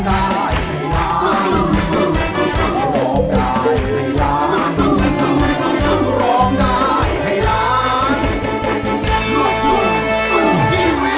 ได้ครับ